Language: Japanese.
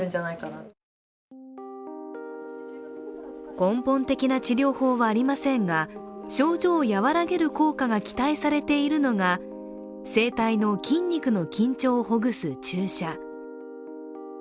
根本的な治療法はありませんが、症状を和らげる効果が期待されているのが声帯の筋肉の緊張をほぐす注射。